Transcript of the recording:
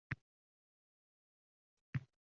paxtadan ko‘ra boshqa narsa yetishtirish foydaliroq